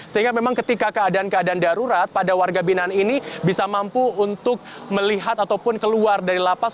sehingga memang ketika keadaan keadaan darurat pada warga binaan ini bisa mampu untuk melihat ataupun keluar dari lapas